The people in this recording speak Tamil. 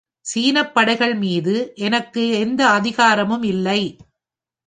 சீனப் படைகள் மீது எனக்கு எந்த அதிகாரமும் இல்லை.